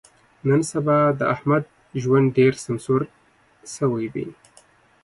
نن سبا د احمد ژوند ډېر سمسور شوی دی.